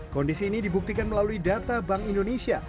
kondisi ini dibuktikan melalui data bank indonesia